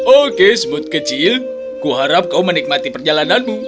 oke smooth kecil kuharap kau menikmati perjalananmu